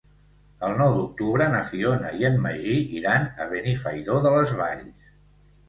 El nou d'octubre na Fiona i en Magí iran a Benifairó de les Valls.